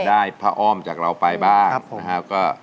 ได้พระอ้อมจากเราไปบ้าง